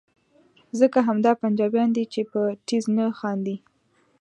ځکه همدا پنجابیان دي چې په ټیز نه خاندي.